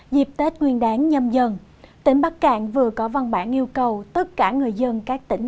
dịp tết nguyên đáng nhâm dần tỉnh bắc cạn vừa có văn bản yêu cầu tất cả người dân các tỉnh